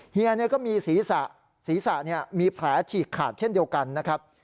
เฮียก็มีศีรษะศีรษะมีแผลฉีกขาดเช่นเดียวกันนะครับ